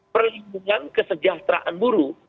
perlindungan kesejahteraan buruh